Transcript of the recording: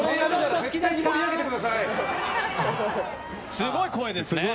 すごい声ですね。